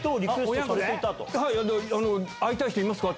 「会いたい人いますか？」